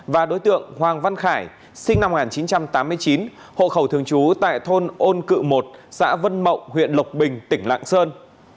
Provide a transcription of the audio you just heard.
và đối tượng hoàng văn khải sinh năm một nghìn chín trăm tám mươi chín hộ khẩu thường trú tại thôn ôn cự một xã vân mộng huyện lộc bình tỉnh lạng sơn